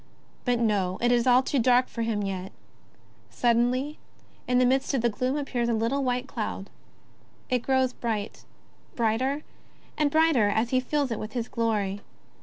But no, it is all too dark for him yet. Suddenly, in the midst of the gloom appears a little white cloud. It grows bright, brighter and brighter as he fills it with his glory.